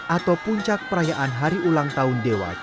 atau puncak perayaan hari ulang tahun dewa